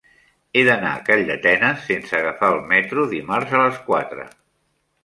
He d'anar a Calldetenes sense agafar el metro dimarts a les quatre.